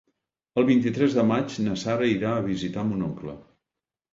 El vint-i-tres de maig na Sara irà a visitar mon oncle.